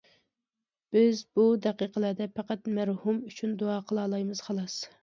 بىز بۇ دەقىقىلەردە پەقەت مەرھۇم ئۈچۈن دۇئا قىلالايمىز خالاس.